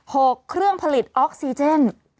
เครื่องผลิตออกซิเจน